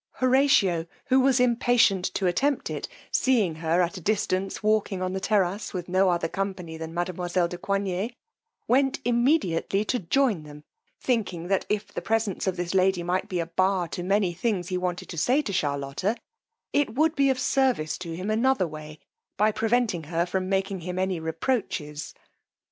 Horatio, who was impatient to attempt it, seeing her at a distance walking on the terrass with no other company than mademoiselle de Coigney, went immediately to join them, thinking that if the presence of this lady might be a bar to many things he wanted to say to Charlotta, it would be of service to him another way, by preventing her from making him any reproaches.